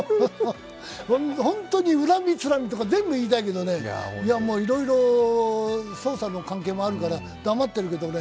本当に恨みつらみとか、全部言いたいけどね、いろいろ捜査の関係もあるから黙ってるけどね。